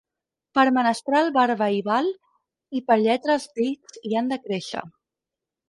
Per menestral barba hi val, i per lletra els dits hi han de créixer.